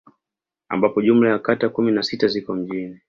Ambapo jumla ya kata kumi na sita ziko mjini